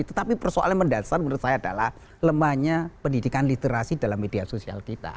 tetapi persoalan mendasar menurut saya adalah lemahnya pendidikan literasi dalam media sosial kita